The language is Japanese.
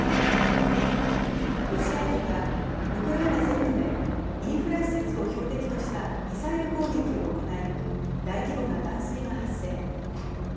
ロシア軍がウクライナ全土でインフラ施設を標的としたミサイル攻撃を行い、大規模な断水が発生。